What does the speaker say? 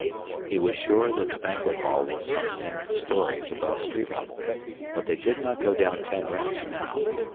He was sure that the banquet hall was some ten stories above street level. But they did not go down ten ramps now.